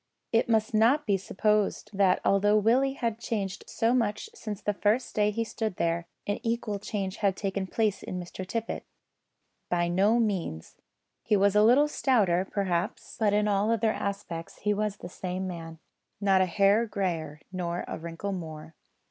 It must not be supposed that although Willie had changed so much since the first day he stood there, an equal change had taken place in Mr Tippet. By no means. He was a little stouter, perhaps, but in all other respects he was the same man. Not a hair greyer, nor a wrinkle more.